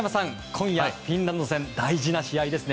今夜、フィンランド戦大事な試合ですね。